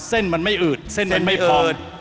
เส้นมันไม่อืดเส้นมันไม่พอ